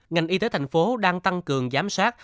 ngành y tế thành phố đang tăng cường giám sát